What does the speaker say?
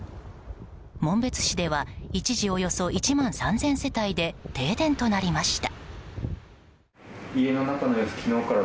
紋別市では一時およそ１万３０００世帯で停電となりました。